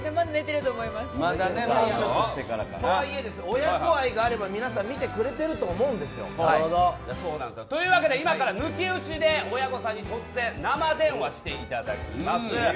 親子愛があれば皆さん見てくれていると思うんですよ。というわけで今から抜き打ちで親御さんに突然、生電話していただきます。